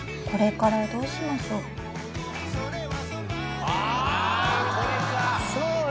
これからどうしましょう？